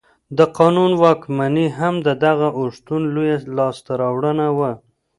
د قانون واکمني هم د دغه اوښتون لویه لاسته راوړنه وه.